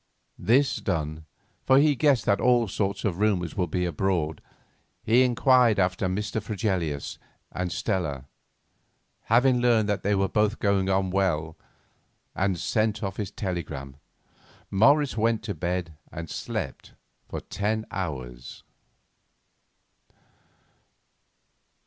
This done, for he guessed that all sorts of rumours would be abroad, he inquired after Mr. Fregelius and Stella. Having learned that they were both going on well and sent off his telegram, Morris went to bed and slept for ten hours.